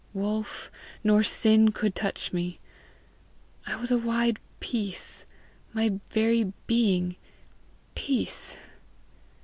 Wolf nor sin could touch me! I was a wide peace my very being peace!